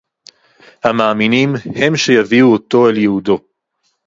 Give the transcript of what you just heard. הַמַּאֲמִינִים - הֵם שֶׁיָּבִיאוּ אוֹתוֹ אֶל יִיעוּדוֹ.